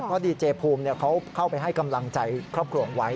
ก็ดีเจพูมเข้าไปให้กำลังใจครอบครัวไว้